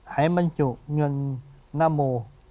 หายมันจุเงินนาโม